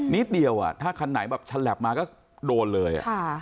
นิดเดียวอะถ้าคันไหนแบบฉันแหลปมาก็โดนเลย